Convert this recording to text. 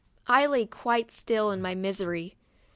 I lay quite still in my misery.